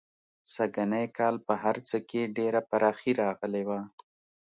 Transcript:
سږنی کال په هر څه کې ډېره پراخي راغلې وه.